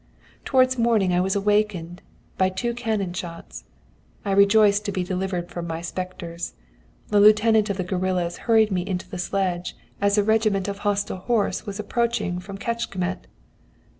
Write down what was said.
Towards morning I was awakened by two cannon shots. I rejoiced to be delivered from my spectres. The lieutenant of the guerillas hurried me into the sledge, as a regiment of hostile horse was approaching from Kecskemet.